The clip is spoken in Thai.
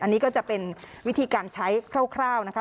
อันนี้ก็จะเป็นวิธีการใช้คร่าวนะคะ